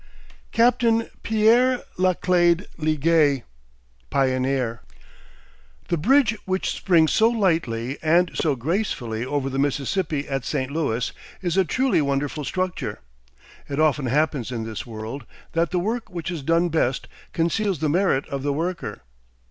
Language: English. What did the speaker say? CAPTAIN PIERRE LACLEDE LIGUEST, PIONEER. The bridge which springs so lightly and so gracefully over the Mississippi at St. Louis is a truly wonderful structure. It often happens in this world that the work which is done best conceals the merit of the worker.